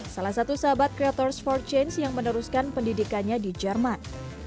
salah satu sahabat creators for change yang meneruskan pendidikannya di jerman